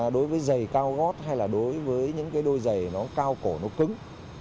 đối với giày cao gót hay là đối với những cái đôi giày nó cao cổ nó cứng